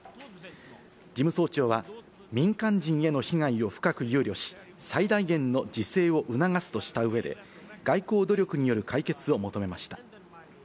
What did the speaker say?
事務総長は民間人への被害を深く憂慮し、最大限の自制を促すとした上で、外交努力による解決を求めました。